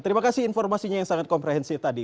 terima kasih informasinya yang sangat komprehensif tadi